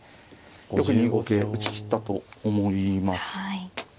よく２五桂打ちきったと思います。